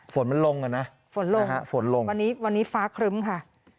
ฝนมันลงอ่ะนะฝนลงฮะฝนลงวันนี้วันนี้ฟ้าครึ้มค่ะ